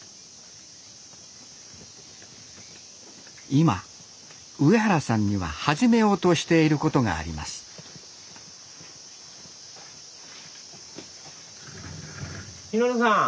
今上原さんには始めようとしていることがあります實さん。